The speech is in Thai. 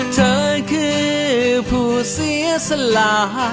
เธอคือผู้เสียสละ